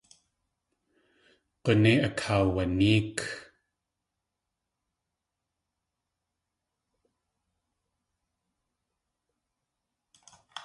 G̲unéi akaawanéek.